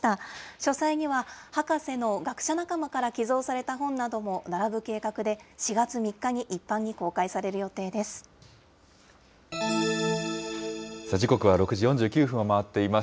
書斎には博士の学者仲間から寄贈された本なども並ぶ計画で、４月時刻は６時４９分を回っています。